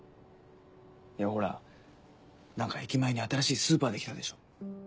いやほら何か駅前に新しいスーパーできたでしょ。